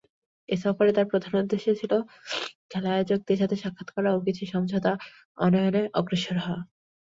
এ সফরে তাঁর প্রধান উদ্দেশ্য ছিল খেলা আয়োজকদের সাথে সাক্ষাৎ করা ও কিছু সমঝোতা আনয়ণে অগ্রসর হওয়া।